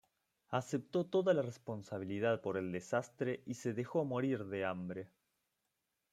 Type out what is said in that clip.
Aceptó toda la responsabilidad por el desastre y se dejó morir de hambre.